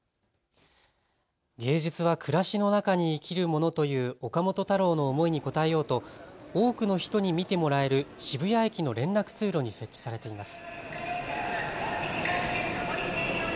芸術は暮らしの中に生きるものという岡本太郎の思いに応えようと多くの人に見てもらえる渋谷駅の連絡通路に設置されています。